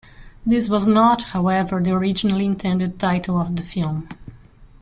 This was not, however, the originally intended title of the film.